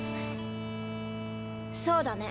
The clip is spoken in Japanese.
そうだね。